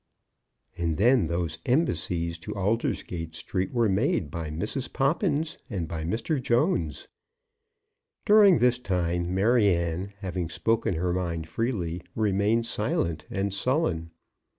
And then those embassies to Aldersgate Street were made by Mrs. Poppins and by Mr. Jones. During this time Maryanne, having spoken her mind freely, remained silent and sullen.